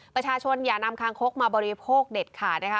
อย่านำคางคกมาบริโภคเด็ดขาดนะคะ